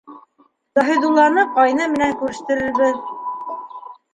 Заһидулланы ҡайны менән күрештерербеҙ.